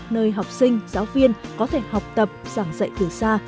nơi học sinh giáo viên có thể học tập giảng dạy từ xa